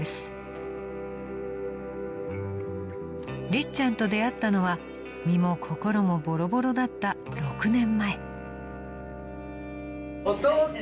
［りっちゃんと出会ったのは身も心もぼろぼろだった６年前］